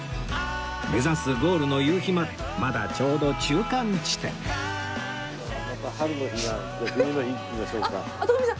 目指すゴールの夕日までまだちょうど中間地点あっ徳光さん！